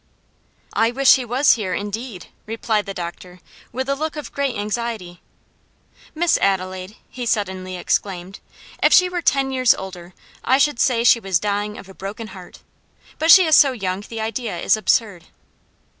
"I wish he was here, indeed," replied the doctor, with a look of great anxiety. "Miss Adelaide," he suddenly exclaimed, "if she were ten years older I should say she was dying of a broken heart, but she is so young the idea is absurd."